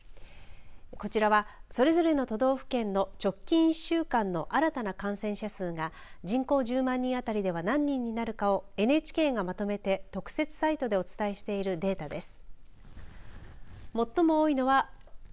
こちらは、それぞれの都道府県の直近１週間の新たな感染者数が人口１０万人あたりでは何人になるかをＮＨＫがまとめて特設サイトでお伝えしているデータです。